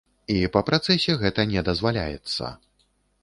І па працэсе гэта не дазваляецца.